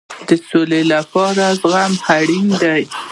د سولې لپاره زغم اړین دی